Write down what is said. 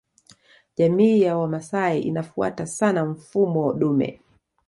Jamii ya Wamasai inafuata sana mfumoo dume